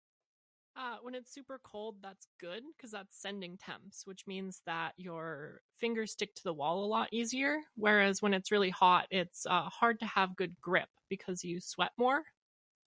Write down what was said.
Uh, when it's super cold that's good, cuz that's sending temps, which means that your fingers stick to the wall a lot easier. Whereas when it's really hot it's, uh, hard to have good grip because you sweat more.